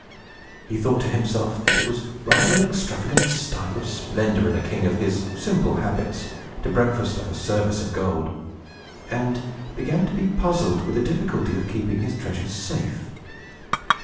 He thought to himself, that it was rather an extravagant style of splendor, in a king of his simple habits, to breakfast off a service of gold, and began to be puzzled with the difficulty of keeping his treasures safe.